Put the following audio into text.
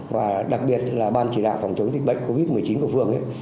và đặc biệt là ban chỉ đạo phòng chống dịch bệnh covid một mươi chín của phường